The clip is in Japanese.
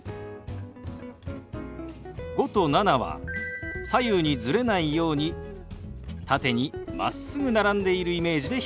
「５」と「７」は左右にズレないように縦にまっすぐ並んでいるイメージで表現します。